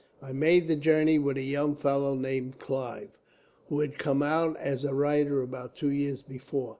I made the journey with a young fellow named Clive, who had come out as a writer about two years before.